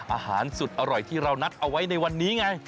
อาหารสุดอร่อยที่เรานัดเอาไว้ในวันนี้ไง